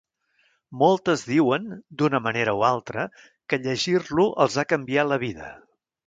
Moltes diuen, d'una manera o altra, que llegir-lo els ha canviat la vida.